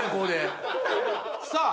さあ